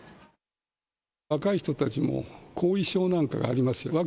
若い人たちも後遺症なんかがありますよ。